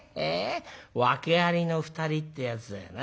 訳ありの２人ってやつだよな。